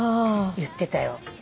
言ってたよ。